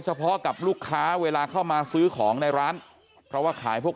เฉพาะกับลูกค้าเวลาเข้ามาซื้อของในร้านเพราะว่าขายพวก